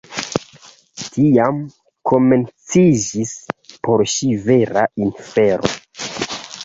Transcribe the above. Tiam komenciĝis por ŝi vera infero.